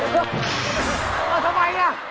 เอาทำไมนี่